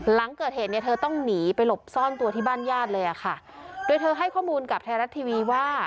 หลังเกิดเหตุเนี่ยเธอต้องหนีไปหลบซ่อนตัวที่บ้านญาติเลยอ่ะค่ะโดยเธอให้ข้อมูลกับไทยรัฐทีวีว่า